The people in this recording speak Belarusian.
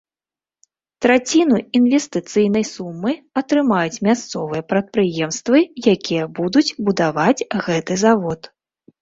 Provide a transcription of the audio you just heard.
Траціну інвестыцыйнай сумы атрымаюць мясцовыя прадпрыемствы, якія будуць будаваць гэты завод.